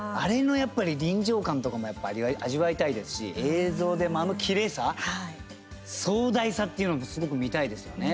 臨場感とかも味わいたいですし映像で、あのきれいさ壮大さっていうのもすごく見たいですよね。